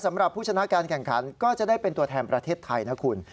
สำหรับผู้ชนะการแข่งขันก็จะได้เป็นตัวแทนประเทศไทยนะคุณ